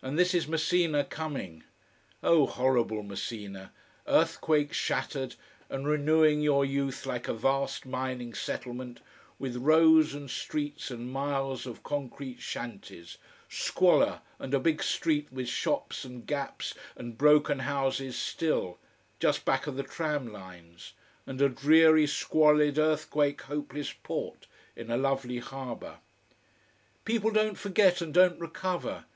And this is Messina coming. Oh horrible Messina, earthquake shattered and renewing your youth like a vast mining settlement, with rows and streets and miles of concrete shanties, squalor and a big street with shops and gaps and broken houses still, just back of the tram lines, and a dreary squalid earthquake hopeless port in a lovely harbor. People don't forget and don't recover.